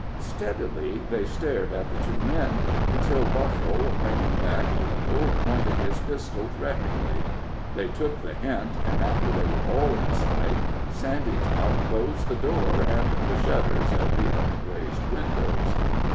Steadily they stared at the two men, until Buffle, reining back a little, pointed his pistol threateningly. They took the hint, and after they were all inside, Sandytop closed the door and the shutters of the unglazed windows.